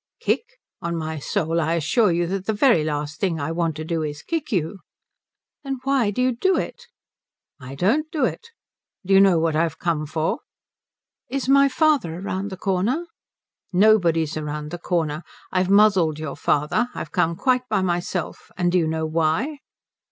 "Kick? On my soul I assure you that the very last thing I want to do is to kick you." "Then why do you do it?" "I don't do it. Do you know what I've come for?" "Is my father round the corner?" "Nobody's round the corner. I've muzzled your father. I've come quite by myself. And do you know why?"